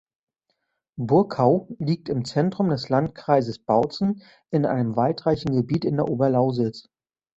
Burkau liegt im Zentrum des Landkreises Bautzen in einem waldreichen Gebiet in der Oberlausitz.